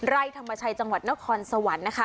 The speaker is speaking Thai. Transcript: ใดธรรมชายจังหวัดเนาคอนสวรรค์นะคะ